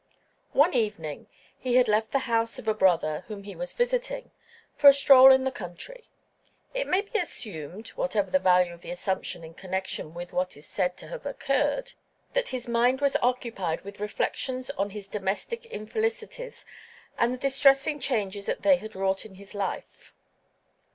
One evening he had left the house of a brother whom he was visiting, for a stroll in the country. It may be assumed—whatever the value of the assumption in connection with what is said to have occurred—that his mind was occupied with reflections on his domestic infelicities and the distressing changes that they had wrought in his life.